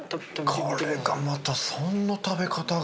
これがまたそんな食べ方が？